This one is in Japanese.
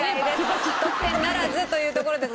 得点ならずというところで。